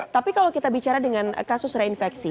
tapi kalau kita bicara dengan kasus reinfeksi